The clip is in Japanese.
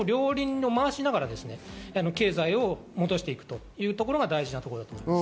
両輪で回しながら経済を戻していくということが大事だと思います。